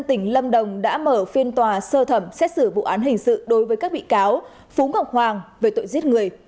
tỉnh lâm đồng đã mở phiên tòa sơ thẩm xét xử vụ án hình sự đối với các bị cáo phú ngọc hoàng về tội giết người